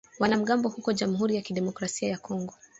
wanamgambo huko jamhuri ya kidemokrasia ya Kongo